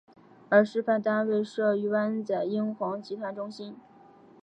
而示范单位设于湾仔英皇集团中心。